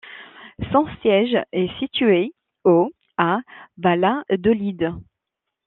Son siège est situé au à Valladolid.